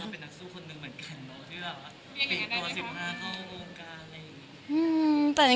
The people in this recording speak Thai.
ปีตัวสิบห้านาวเข้าหมูกกากอะไรอย่างนี้